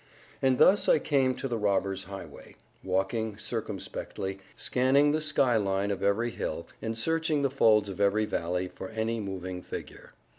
And thus I came to the robbers' highway, walking circumspectly, scanning the sky line of every hill, and searching the folds of every valley, for any moving figure.